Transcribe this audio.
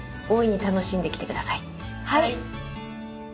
はい！